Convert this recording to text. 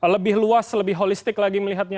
lebih luas lebih holistik lagi melihatnya